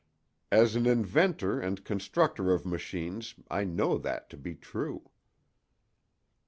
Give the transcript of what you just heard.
As an inventor and constructor of machines I know that to be true."